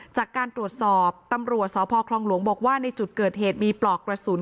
จากการตรวจสอบตำรวจสพคลองหลวงบอกว่าในจุดเกิดเหตุมีปลอกกระสุน